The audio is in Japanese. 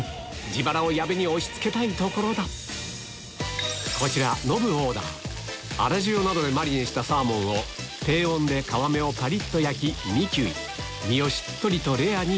自腹を矢部に押し付けたいところだこちらノブオーダー粗塩などでマリネしたサーモンを低温で皮目をパリっと焼きさらに